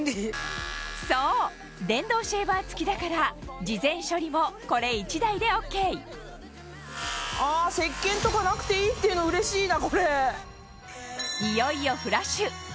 そう電動シェーバー付きだから事前処理もこれ１台でＯＫ石けんとかなくていいっていうのうれしいな。